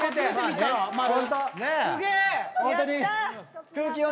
すげえ。